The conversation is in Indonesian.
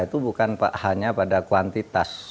itu bukan hanya pada kuantitas